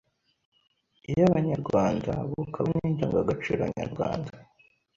y’Abanyarwanda bukaba n’Indangagaciro nyarwanda